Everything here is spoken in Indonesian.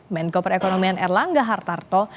menko perekonomian erlangga hartarto